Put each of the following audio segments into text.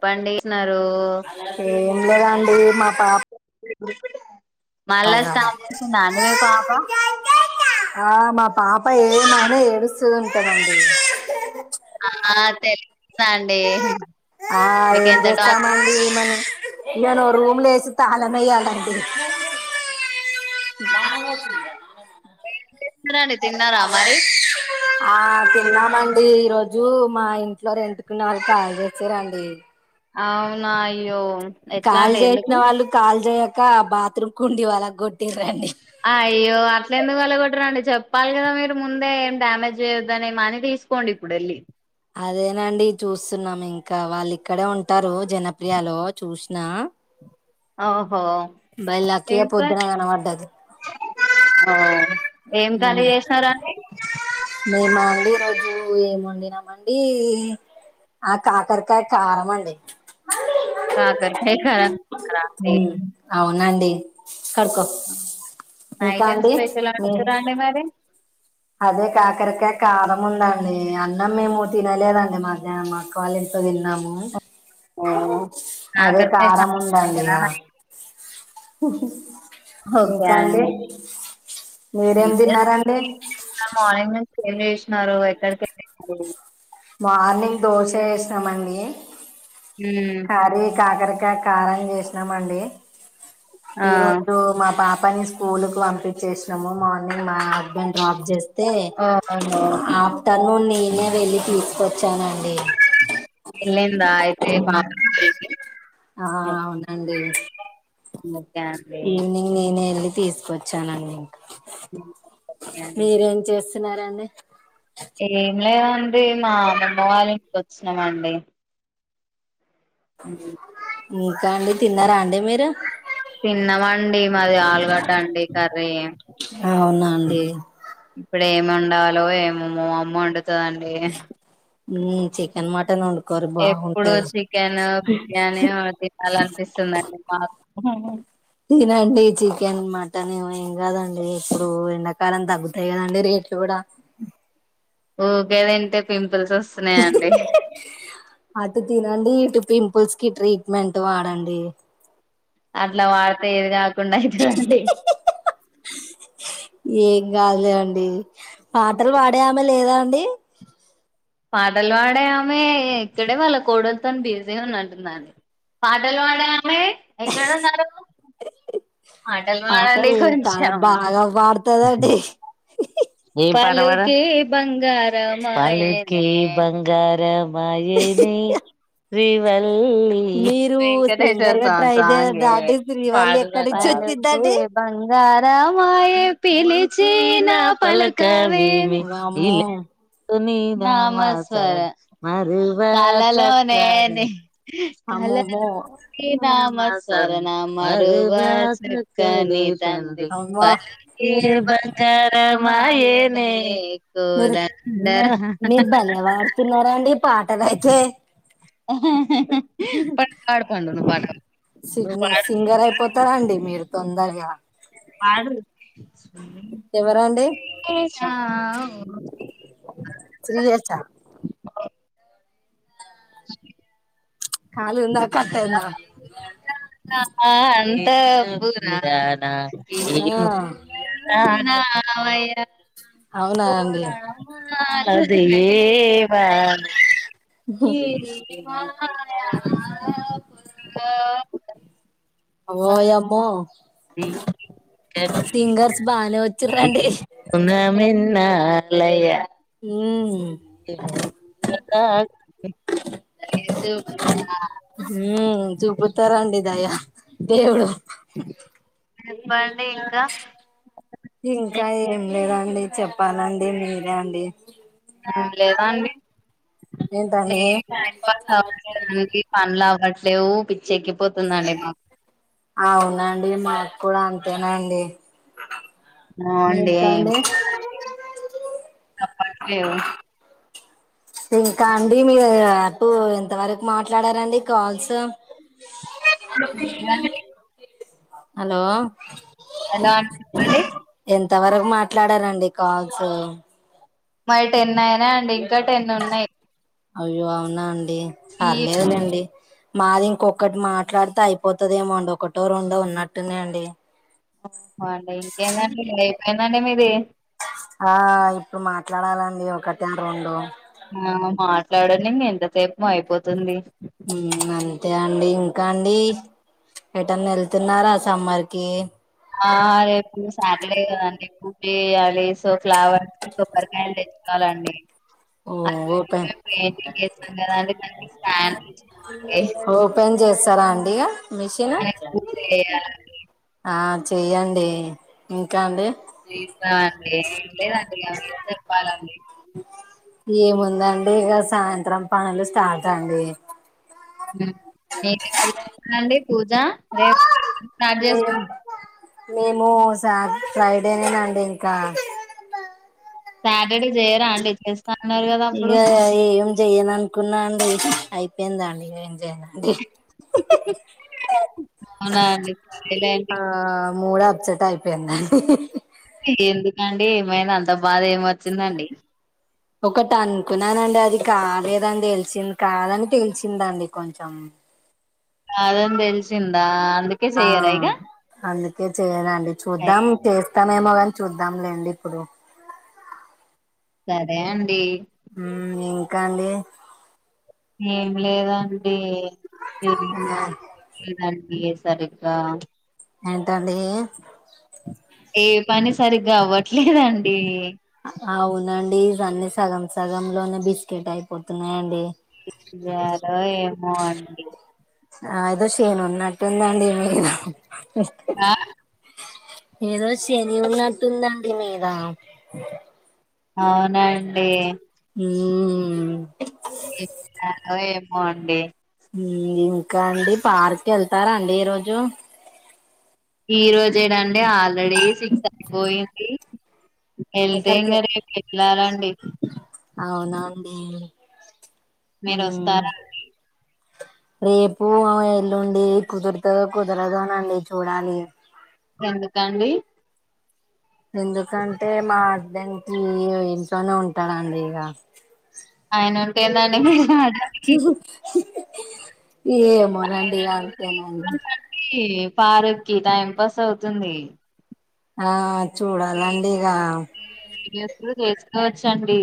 చెప్పండి న్నారు ఏం లేదండి మా పాప మళ్ళా లాగా. స్టాతు [inaudible] మీ పాప ఆ మా పాప ఏమైనా ఏడుస్తూ ఉంటదండి [unintelligible] తెలివి ఆ ఏం ఎంత టాక్ జేస్తామండి ఈమెని ఇగ రూమ్ లో యేసి తాళం ఏయాలండీ రండి తిన్నారా మరి ఆ తిన్నామండి ఈరోజు మా ఇంట్లో రెంట్ కున్న వాళ్ళు కాలీ జేసారండి అవున్ అయ్యో ఎట్లా కాల్ అండి చేసిన ఎందుకు వాళ్ళు కాల్ చేయక ఆ బాత్రూమ్ కుండి పగలకొట్టి రండి అయ్యో అట్ల ఎందుకు పలగొట్టరండి చెప్పాలి కదా మీరు ముందే ఏం డ్యామేజ్ చేయొద్దని మని తి తీకోండి ఇప్పుడు వెళ్లి అదేనండి చూస్తున్నాం ఇంకా వాళ్ళు ఇక్కడే ఉంటారు జనప్రియలో చూసినా ఓహో బై ఎం లక్కీగా పొద్దున కర్రీ కనబడ్డది ఓ ఏం కర్రీ ఉమ్. చేసినరండి మేమా అండి ఈరోజు ఏము వండినామండి కాకరకాయ కారంమండి కాకరకాయి కరా [inaudible] ఉమ్, అవునండి కడుకో ఇంకా నైట్ ఏం అండి స్పెషల్ మీ వండుతురండి మరి అదే కాకరకాయ కారం ఉందండి అన్నం మేము తినలేదండి మధ్యాహ్నం మా అక్క వాళ్ళ ఇంట్లో తిన్నాము అదే కాకరకాయ కారం కాలేజ్ ఉందండి కదా ఇగ నైట్. ఓకే ఇంకండి అండి ఏం మీరేం లేదండి తిన్నారండి మార్నింగ్ నుంచి ఏం చేసినారు ఎక్కడికి వెళ్లారు మార్నింగ్ దోశ వేసినామండి ఉమ్ కానే కాకరకాయ కారం చేసినమండి ఆ ఈ రోజు మా పాపని స్కూల్ కు పంపించేసినము మార్నింగ్ మా డప్ చేస్తే ఓహో ఆఫ్టర్నూన్ ననే వెళ్ళి తీసుకొ పెళ్లయిందా అయితే బా ఆ అవునండి ఓకే అండి ఈవినింగ్ నేను వెళ్ి తీసుకొచ్చానండి ఇంకా హ్మ్. ఓకే అండి. మీరేం చేస్త తిన్నారండి ఏం లేదండి మా అమ్మమ్మ వాళ్ళ ఇంటికి వచ్చినామండి ఉ ఇంకా అండి తిన్నారా అండి మీరు తిన్నమండి మాది ఆలుగడ్డ అండి కర్రీ దే ఇప్పుడు ఎం వండాలో ఏమో మా అమ్మ వండుతాదండి ఉమ్, చికెన్ మటన్ వండుకోరు ఎప్పుడు బాగుంటది చికెన్ను బిర్యానీలు తినాలంటే పిస్తుంది అండి మాకు తినండి చికెన్ మటన్ ఏం కాదండి ఇప్పుడు ఎండాకాలం తగ్గుతాయి కదండి రే చూడా ఊకే తింటే పింపుల్స్ వస్తున్నాయా అండి అటు తినండి ఇటు పింపుల్స్ కి ట్రీట్మెంట్ వాడండి అట్లా వాడితే ఏది కాకుండా అయితదండి ఏం కాదులే అండి పాటలు పాడే అమె లేదా అండి పాటలు పాడే ఆమె ఇక్కడే వాళ్ళ కోడలతోని బిజీ ఉన్నట్లుందండి పాటలు పాడే ఆమె ఎక్కడ ఉన్నారు పాటలు చాలా కొంచెం బాగా వాడుతందండి ఏం పాట పాడా పలుకే బంగారమాయె పలుకే బంగార మాయనే శ్రివల్లి మీరు సింగర్ వెంకటేశ్వర్ గా స్వామి ట్రై సాంగ్ గే చేయండి శ్రీవల్లి పాడు ఎక్కడి రాజా నుంచి పలుకే వచ్చిందండి బంగారమాయె పిలిచిన పలుక వేమి వామ్మో కలలో నీ నామస్మరణ మరువ కలలోనే అండి కలలో అమ్మమ్మో నీ నామ నీ నామస్మరణ మరువ చక్కని అమ్మా తండ్రిపలుకే బంగారమాయెనే మీరు మీరు భలే పాడుతున్నారండి పాటలయితే ఓహ నువ్వు సిగ్న పాడు సింగర్ అయిపోతారండి మీరు తొందరగా పాడు ఎవరండి తినేషవో త్రీ ఇయర్సా కాల్ ఉందా కట్టైంద త అంతఃపుర ఆ టననా వైర అవునా అండి అది యేవ నిది నిది మాయ ఓయమ్మో సింగర్స్ బానే వచ్చిరండి నార్ లయ ఉ ఇ నోరు కాక్ తరండి దయ దేవుడు చెప్పండి ఇంకా ఇంకా ఏం లేదండి చెప్పాలండి మీరే అండి ఆ లేవండి ఏంటండి గి పనులవ్వట్లే వు అవునండి మాకు కూడా అంతేనండి బావుండి మీకండి తప్పట్లేదు ఇంకా అండి మీరు అపు ఎంతవరకు మాట్లాడారండి కాల్స్ హలో ఎలా అండి ఎం తవరకు మాట్లాడారండి కాల్స్ మయి టెన్ అయినా అండి ఇంకా టెన్ ఉన్నాయి అయ్యో అవునా అండి ఈ పర్లేదులేండి మాది ఇంకొకటి మాట్లాడితే అయిపోతుదేమోండి ఒకటో రెండో ఉన్నట్టునాయి అండి ఓహో అండి ఇంకేందండి ఇ అయిపెందండి మీది ఆ ఇప్పుడు మాట్లాడాలండి ఒకట రెండు ఆ మాట్లాడండి మీ ఎంతసేపు అయిపోతుంది ఉమ్ అంతే అండి ఇంకా అండి ఎటన్న ఏళ్తున్నారా సమ్మర్కి ఆ రేపు సాటర్డే కదండి ఎక్కుకే అలెస్ సో ఫ్లావర్స్ కొబ్బరికాయలు తెచ్చుకోవాలండి ఓ ఓపెన్ పెయింటింగ్ చేస్తాం కదండి ఫ్యాన్ ఓపెన్ చేస్తారా అండి ఇగా మిషిను దానికి పూజ చేయాలండి ఆ చెయ్యండి ఇంకా అండి చికాఅండి లేదండి నిజం చెప్పాలండి ఏముందండి ఇగ సాయంత్రం పనులు స్టార్ట్ అండి రేపిక్కడ ఎప్పుడు అండి పూజ రేపు స్టార్ట్ చేస్ మేము మేము సా ఫ్రైడేనేనండి ఇంకా సాటర్డే చేయరా అండి అన్నారు కదా ఇగ అప్పుడు ఏం చెయను అనుకున్నా అండి అయిపోయిందాండి ఇగ ఏంజేయల అవునా అండి చేయాలే అండి ఆ మూడ్ అప్సెట్ అయిపోయిందం ఎందుకండి ఏమైనా అంత బాధ ఏం వచ్చిందండి ఒకటి అనుకున్నానండి అది కాలేదండి తెలిసింది కాదని పెంచింది అండి కొంచెం అదని తెలిసిందా అందుకే చెయ్యరా ఇగ తే చేయను అండి చూద్దాం చేస్తామేమో కాని చూద్దాం లేండి ఇప్పుడు సరే అండి ఉమ్ ఇంకా అండి ఏం లేదండి ఏ సరిగ్గా ఏంటండి ఏ పని సరిగ్గా అవ్వట్లేదండి అవునండి ఇవన్నీ సగం సగం లోనే బిస్కెట్ అయిపోతున్నాయండి ఏం చేయాలో ఏమో అండి ఆ ఏదో శని ఉన్నట్టుందాండి మీద ఆ ఏదో శని ఉన్నట్టుందండి మీద అవునండి మ్మ్ ఎం చేయాలో ఏమో అండి ఇంకా అండి పార్క్ వెళ్తారా అండి ఈ రోజు ఈ రోజేనాండి ఆల్రెడీ సిక్స్ అయిపోయింది వెళ్తే ఎక్కడికి ఇంకా రేపు వెళ్ళాల్లి అండి అవునా అండి మీరు ఉమ్, వస్తారా అండి రేపు ఎల్లుండి కుదురతదో కుదరదోనండి చూడాలి ఎందుకు అండి ఎందుకంటే మా హస్బెండ్ కి ఇంట్లోనే ఉంటాడండి ఇక అయన ఉంటే ఎందండి ఏమో నండి ఇగ అతేనా పారక్కి టైం పాస్ అవుతుంది ఆ చూడాలండి ఇక వీడియోస్ కూడా చేసుకోవచ్చండి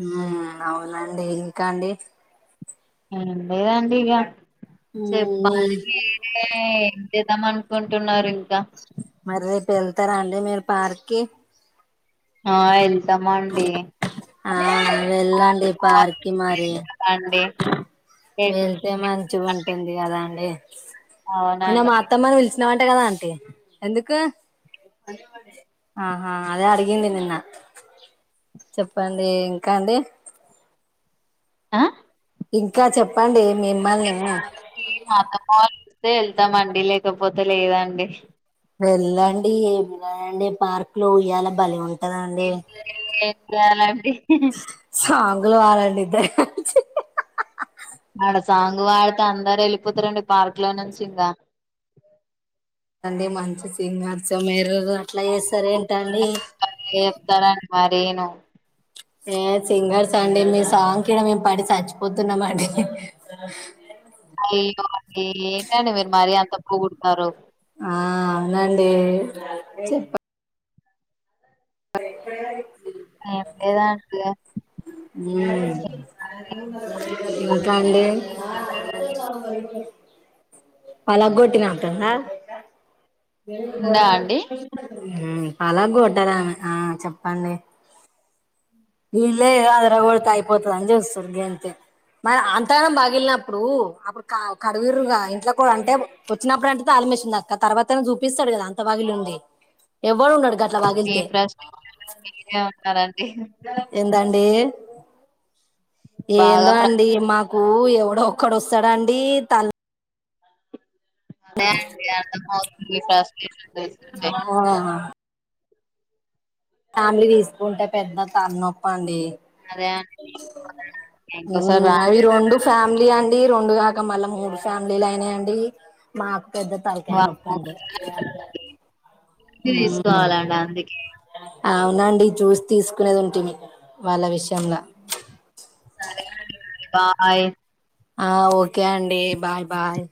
మ్మ్ అవునండి ఇంకా అండి అదే అండి ఇగ మ్మ్ చెప్పాలి లేదామ అనుకుంటున్నారు ఇంకా మరి రేపు వెళ్తారా అండి మీరు పార్క్కి ఆ వెల్తమండి ఆ వెలాండడి పార్కి మరి అండి రేపు వెళ్తే మంచి ఉంటుంది కదా అండి అయినా అవునండి మా అత్తమ్మని పిలిచినామంటే కదా అంటీ ఎందుకు ఆహా అదే అడిగింది నిన్న చెప్పండి ఇంకా అండి ఆ ఇంకా చెప్పండి మిమ్మల్ని ళ్తే వెళ్తామండి లేకపోతే లేదండి వెళ్ళండి ఏండి పార్క్ లో ఉయ్యాల బలే ఉం దండి ఏం చేయాలండి ఫ [unintelligible] ఆడ సాంగ్ వాడితే అందరు వెళ్ళిపోతారండి పార్క్ లో నుంచి ఇంకా అండి మంచి సింగార్స మేరు అట్లా చేస్తారు ఏంటండి నేను ఏ సింగర్స్ అండి. మీ సాంగ్ కిడ మేము పడి చచ్చిపోతున్నాం అండి. అయ్యో అ ఏంటండి మీరు మరీ అంత పొగుడుతురు ఆ అవునండి చెప్ మరి ఏం చెప్తాయి ఏం లేదండి ఇంకా అండి పలగొట్టి నాంటంద ఉందా అండి ఉ పలాగ కొట్టారా ఆ చెప్పండి ఇల్లే అద్ర ఒోతాయిపోతది అని చేస్తుంది అంతే మరి అంతానం బగిలినప్పుడు అప్పుడు కడు కడుయిరుగా ఇంట్లో కూడా అంటే వచ్చినప్పుడు అ తర్వాతనా చూపిస్తాడు కదా అంత వాగిలి ఉంది ఎవ్వడు ఉన్నాడు గట్ మీ ప్రస్తు [unintelligible] ఉన్నారండి ఎందండి బాగా ఏందో ప్ర అండి మాక్ కు ఎవడో ఒక్కడొస్తాడు అండి తల్ అదే అండి అందుకోసమే [unintelligible] ఫ్యామిలీ తీసుకుంటే పెద్ద తల నొప్పి అండి అదే అండి తీసుకోవాలండి ఇంకోసారి ఉమ్ రాని అవి రెండు ఫ్యామిలీ అండి రెండు మళ్ళా మూడు ఫ్యామిలీలు అయినాయండి మా పెద్ద తలకాయ వాళ్ళ నొప్పండి ఉం తీసుకోవాలండి అందుకే అవునండి చూసి తీసుకునేది ఉంటిమి వాళ్ళ విషయంల సరే బాయ్ ఆ ఓకే అండి బాయ్ బాయ్